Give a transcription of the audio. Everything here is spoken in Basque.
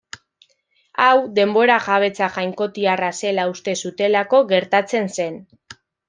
Hau, denbora jabetza jainkotiarra zela uste zutelako gertatzen zen.